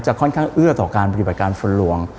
ค่อนข้างเอื้อต่อการปฏิบัติการฝนหลวง